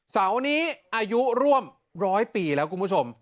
เสานี้อายุร่วม๑๐๐ปีแล้วคุณผู้ชม